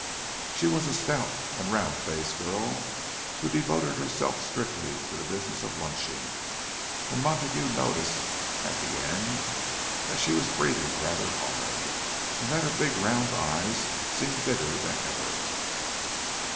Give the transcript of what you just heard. She was a stout and round faced girl, who devoted herself strictly to the business of lunching; and Montague noticed at the end that she was breathing rather hard, and that her big round eyes seemed bigger than ever.